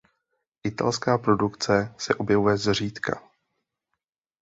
Italská produkce se objevuje zřídka.